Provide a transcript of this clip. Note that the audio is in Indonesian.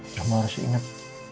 kamu harus inget